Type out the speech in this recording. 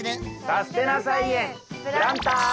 「さすてな菜園プランター」！